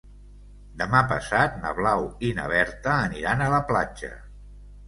Demà passat na Blau i na Berta aniran a la platja.